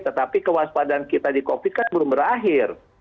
tetapi kewaspadaan kita di covid kan belum berakhir